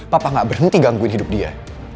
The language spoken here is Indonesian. papa gak berhenti gangguin hidup dia